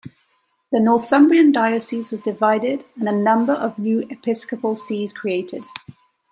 The Northumbrian diocese was divided and a number of new episcopal sees created.